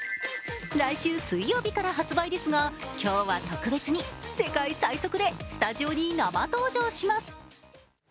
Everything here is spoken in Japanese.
来週水曜日から発売ですが、今日は特別に世界最速でスタジオに生登場します！